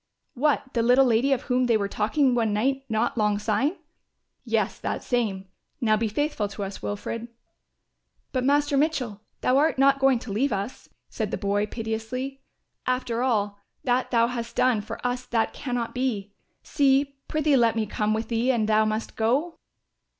"What, the little lady of whom they were talking one night not long syne?" "Yes, that same; now be faithful to us, Wilfred." "But, Master Mitchell, thou art not going to leave us," said the boy piteously. "After all that thou hast done for us that cannot be. See, prithee let me come with thee an thou must go."